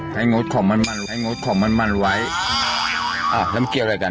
งดของมันมันให้งดของมันมันไว้อ่าแล้วมันเกี่ยวอะไรกัน